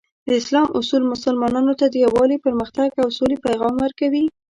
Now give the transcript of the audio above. د اسلام اصول مسلمانانو ته د یووالي، پرمختګ، او سولې پیغام ورکوي.